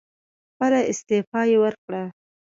خپله استعفی یې ورکړه.